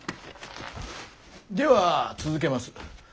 では続けます。